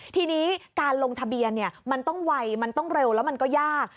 ทีนี้การลงทะเบียนมันต้องไวมันต้องเร็วแล้วมันก็ยาก